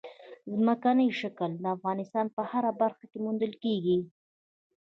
ځمکنی شکل د افغانستان په هره برخه کې موندل کېږي.